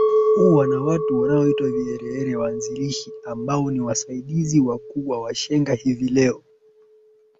huwa na watu wanaoitwa Viherehere waanzilishi ambao ni wasaidizi wakuu wa Washenga hivi leo